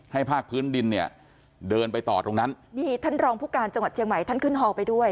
ภาคพื้นดินเนี่ยเดินไปต่อตรงนั้นนี่ท่านรองผู้การจังหวัดเชียงใหม่ท่านขึ้นฮอลไปด้วย